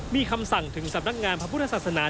มีคำสั่งถึงสำนักงานพระพุทธศาสนา